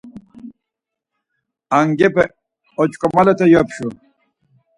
Angepe oç̌ǩomalete yopşu.